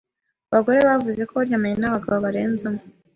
abagore bavuze ko baryamanye n’abagabo barenze umwe,